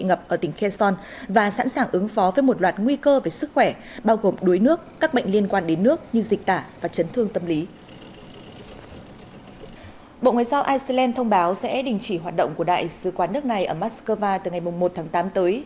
bộ ngoại giao iceland thông báo sẽ đình chỉ hoạt động của đại sứ quán nước này ở moscow từ ngày một tháng tám tới